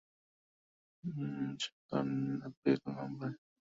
সাধারনত এপ্রিল থেকে নভেম্বর পর্যন্ত উপযুক্ত পরিবেশে এদের দর্শন মেলে।